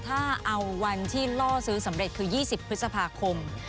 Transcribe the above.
ถ้าเอาวันที่ล่อซื้อสำเร็จคือ๒๐พฤษภาคม